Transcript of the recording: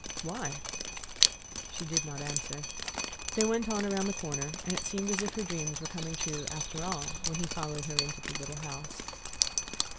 "Why?" She did not answer. They went on around the corner, and it seemed as if her dreams were coming true after all, when he followed her into the little house.